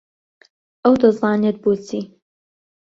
ئەو دەزانێت بۆچی.